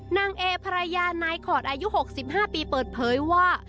นางเอภรรยานายขอดอายุ๖๕ปีเปิดเผยว่า